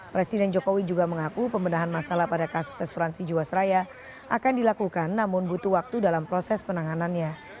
presiden jokowi juga mengaku pembenahan masalah pada kasus asuransi jiwasraya akan dilakukan namun butuh waktu dalam proses penanganannya